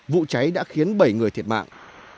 vụ cháy đã khiến bảy người thiệt mạng